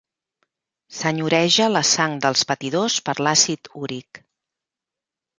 Senyoreja la sang dels patidors per l'àcid úric.